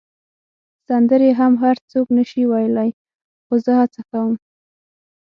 سندرې هم هر څوک نه شي ویلای، خو زه هڅه کوم.